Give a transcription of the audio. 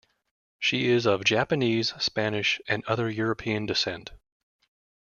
She is of Japanese, Spanish, and other European descent.